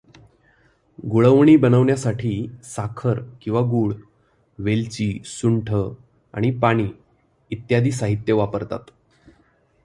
गुळवणी बनवण्यासाठी साखर किंवा गूळ, वेलची, सुंठ आणि पाणी इत्यादी साहित्य वापरतात.